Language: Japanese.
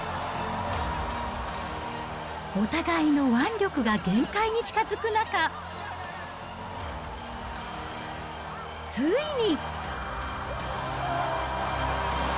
お互いの腕力が限界に近づく中、ついに。